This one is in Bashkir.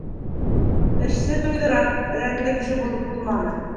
Эшсе туйҙыра, Рәтле кеше булып булманы.